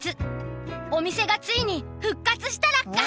お店がついに復活したラッカ。